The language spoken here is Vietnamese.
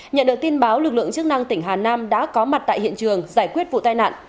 nhận được tin báo lực lượng chức năng tỉnh hà nam đã có mặt tại hiện trường giải quyết vụ tai nạn